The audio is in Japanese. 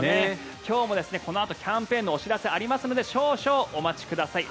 今日もこのあとキャンペーンのお知らせがありますので少々お待ちください。